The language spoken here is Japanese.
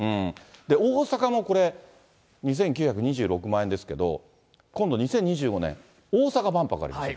大阪もこれ、２９２６万円ですけど、今度、２０２５年、大阪万博あります。